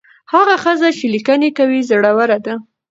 هغه ښځه چې لیکنې کوي زړوره ده.